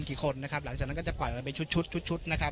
กี่คนนะครับหลังจากนั้นก็จะปล่อยมันเป็นชุดชุดชุดชุดนะครับ